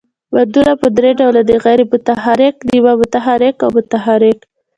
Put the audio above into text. بندونه په درې ډوله دي، غیر متحرک، نیمه متحرک او متحرک.